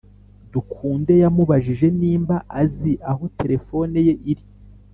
Dukunde yamubajije nimba azi aho telefone ye iri